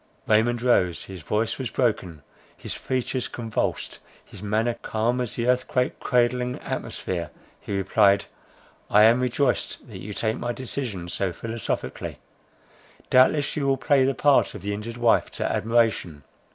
Raymond rose, his voice was broken, his features convulsed, his manner calm as the earthquake cradling atmosphere, he replied: "I am rejoiced that you take my decision so philosophically. Doubtless you will play the part of the injured wife to admiration.